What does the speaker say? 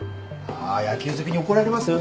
あ野球好きに怒られますよ。